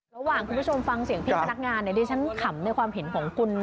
ระหว่างคุณผู้ชมฟังเสียงเท่ากับนักงานในใดิฉันขำในความเห็นของคุณ